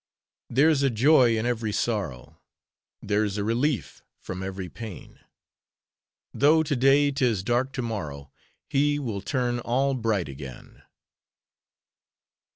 "There's a joy in every sorrow, There's a relief from every pain; Though to day 'tis dark to morrow HE will turn all bright again."